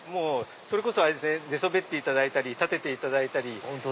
それこそ寝そべっていただいたり立てていただいたり。